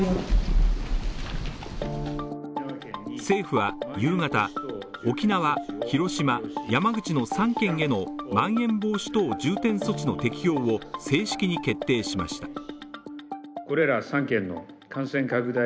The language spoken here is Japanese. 政府は夕方、沖縄、広島、山口の３県へのまん延防止等重点措置の適用を、正式に決定しました。